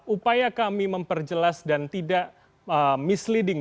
upaya kami memperjelas dan tidak misleading